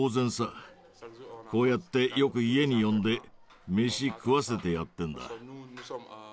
こうやってよく家に呼んで飯食わせてやってんだ。